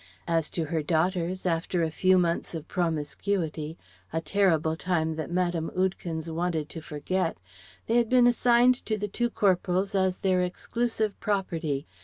As to her daughters, after a few months of promiscuity a terrible time that Mme. Oudekens wanted to forget they had been assigned to the two corporals as their exclusive property.